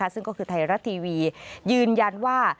ซึ่งก็คือไทยรัฐทีวียืนยันว่า